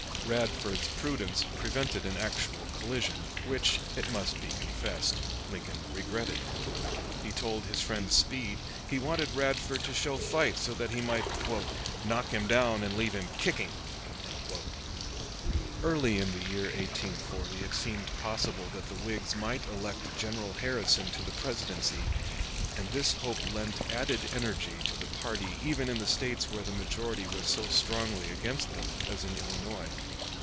Radford's prudence prevented an actual collision, which, it must be confessed, Lincoln regretted. He told his friend Speed he wanted Radford to show fight so that he might "knock him down and leave him kicking." Early in the year 1840 it seemed possible that the Whigs might elect General Harrison to the Presidency, and this hope lent added energy to the party even in the States where the majority was so strongly against them as in Illinois.